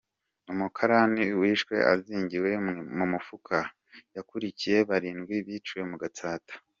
Umukarani wishwe azingiwe mu mufuka, yakurikiye Barindwi biciwe mu Gatsata